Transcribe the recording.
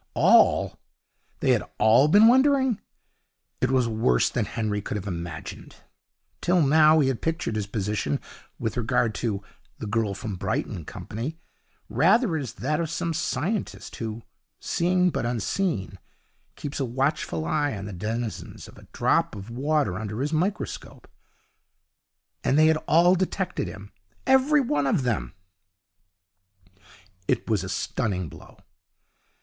All! They had all been wondering! It was worse than Henry could have imagined. Till now he had pictured his position with regard to 'The Girl From Brighton' company rather as that of some scientist who, seeing but unseen, keeps a watchful eye on the denizens of a drop of water under his microscope. And they had all detected him every one of them. It was a stunning blow.